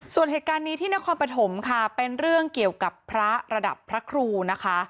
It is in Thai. ส่วนเหตุการณ์นี้ที่นครปฐมค่ะเป็นเรื่องเกี่ยวกับพระระดับพระครูนะคะ